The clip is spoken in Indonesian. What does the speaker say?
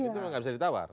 itu memang gak bisa ditawar